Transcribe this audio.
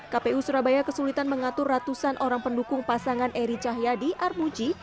kemungkinan mengatur ratusan orang pendukung pasangan eri cahyadi arbuji